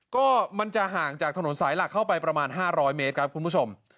ก็มันจะห่างจากถนนสายหลักเข้าไปประมาณ๕๐๐เมตรครับคุณผู้ชม